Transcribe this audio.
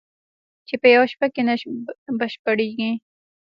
چې په یوه شپه کې نه بشپړېږي